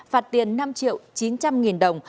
phạt tiền năm triệu chín trăm linh nghìn đồng